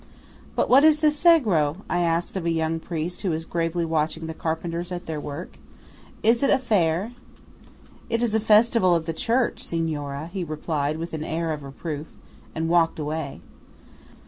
"But what is the Sagro?" I asked of a young priest who was gravely watching the carpenters at their work. "Is it a fair?" "It is a festival of the Church, Signora," he replied with an air of reproof, and walked away.